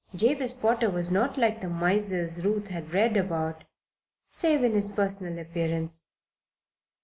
Jabez Potter was not like the misers Ruth had read about, save in his personal appearance.